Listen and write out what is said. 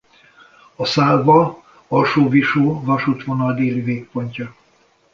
A Szálva–Alsóvisó-vasútvonal déli végpontja.